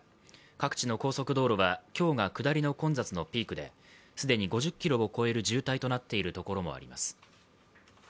各地の高速道路は今日が下りの混雑のピークで既に５０ｋｍを超える渋滞となっているところもあります。